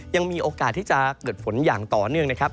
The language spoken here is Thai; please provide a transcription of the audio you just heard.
ยังมีโอกาสที่จะเกิดฝนอย่างต่อเนื่องนะครับ